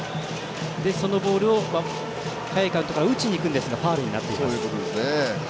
そのボールを早いカウントで打ちにいくんですがファウルになっています。